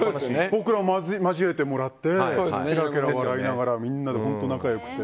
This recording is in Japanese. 僕ら、交えてもらってケラケラ笑いながらみんな本当に仲良くて。